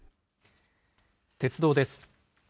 鉄道です。